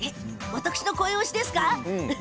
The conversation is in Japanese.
私の声推しですか。